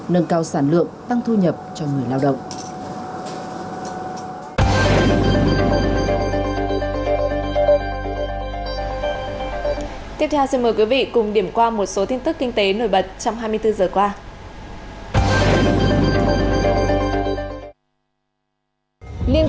nâng cao sản lượng tăng thu nhập cho người lao động